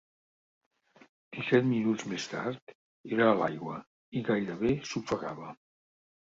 Disset minuts més tard, era a l'aigua i gairebé s'ofegava.